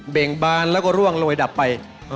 ่งบานแล้วก็ร่วงโรยดับไป